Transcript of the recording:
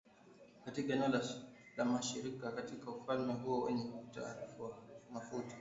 katika eneo la mashariki katika ufalme huo wenye utajiri wa mafuta